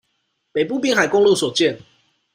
北部濱海公路所見